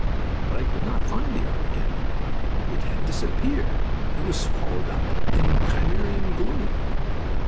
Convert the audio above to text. But I could not find the yard again. It had disappeared! It was swallowed up in Cimmerian gloom.